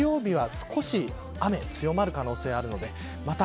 日曜日は少し雨が強まる可能性があるのでまた